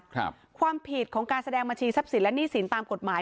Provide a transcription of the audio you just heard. ความผิดของการแสดงบัญชีทรัพย์สินและหนี้สินตามกฎหมาย